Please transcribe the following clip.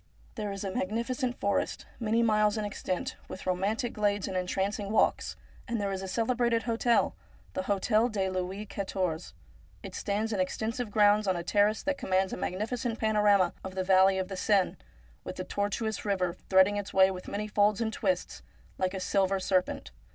There is a magnificent forest, many miles in extent, with romantic glades and en trancing walks, and there is a celebrated hotel, the Hotel de Louis Quatorze. It stands in extensive grounds on a terrace that commands a magnificent panorama of the valley of the Seine, with the tortuous river threading its way with many folds and twists, like a silver serpent.